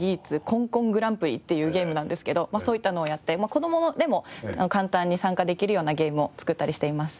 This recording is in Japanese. コンコングランプリ」っていうゲームなんですけどそういったのをやって子供でも簡単に参加できるようなゲームを作ったりしています。